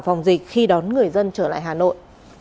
phòng dịch khi đón người dân trở lại hà nội